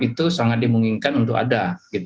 itu sangat dimungkinkan untuk ada